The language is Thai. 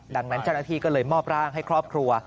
ดังนั้นเจ้าหน้าที่ก็เลยมอบร่างให้ครอบครัว